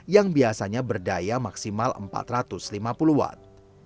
yang biasanya berdaya maksimal empat ratus lima puluh watt